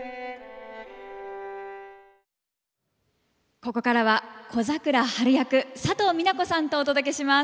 ここからは小桜ハル役佐藤未奈子さんとお届けします。